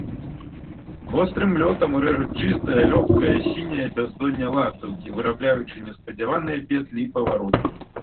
Гострым лётам рэжуць чыстае, лёгкае, сіняе бяздонне ластаўкі, вырабляючы неспадзяваныя петлі і павароткі.